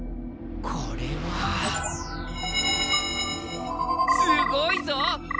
これはすごいぞ！